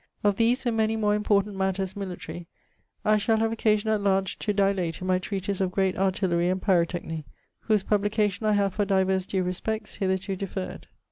'Of these and many mo important mattars militare, I shall have occasion at large to dilate in my treatise of great artillerie and pyrotechnie, ☞ whose publication I have for divers due respects hitherto differred.'